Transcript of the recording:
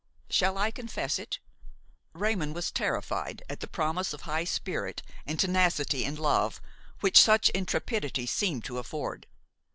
Shall I confess it? Raymon was terrified at the promise of high spirit and tenacity in love which such intrepidity seemed to afford.